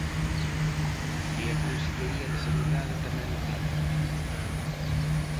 E a Consellería de Sanidade tamén o ten.